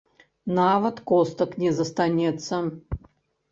Нават костак не застанецца!